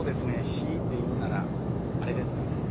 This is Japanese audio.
強いて言うならあれですかね。